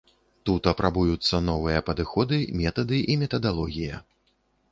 Тут апрабуюцца новыя падыходы, метады і метадалогія.